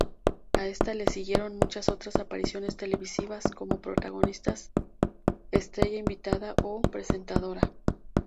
A esta le siguieron muchas otras apariciones televisivas, como protagonista, estrella invitada o presentadora.